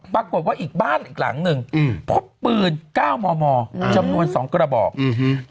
ปรากฏว่าอีกบ้านอีกหลังหนึ่งอืมพบปืน๙มมจำนวน๒กระบอกอืมฮือ